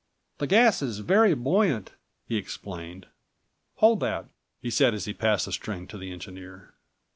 "The gas is very buoyant," he explained. "Hold that," he said as he passed the string to the engineer.